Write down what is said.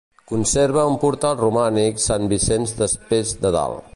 Conserva un portal romànic Sant Vicenç d'Espés de Dalt.